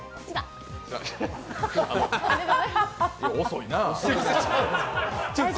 遅いなあ。